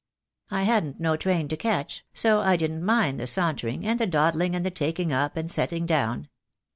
I hadn't no train to catch, so I didn't mind the sauntering and the dawdling and the taking up and setting down.